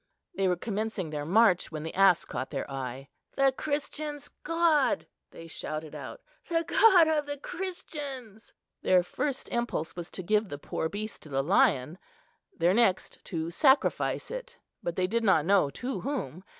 They were commencing their march when the ass caught their eye. "The Christians' god!" they shouted out; "the god of the Christians!" Their first impulse was to give the poor beast to the lion, their next to sacrifice it, but they did not know to whom.